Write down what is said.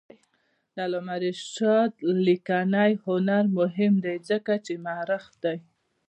د علامه رشاد لیکنی هنر مهم دی ځکه چې مؤرخ دی.